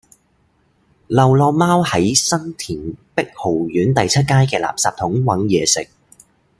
流浪貓喺新田碧豪苑第七街嘅垃圾桶搵野食